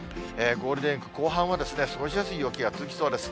ゴールデンウィーク後半は、過ごしやすい陽気が続きそうです。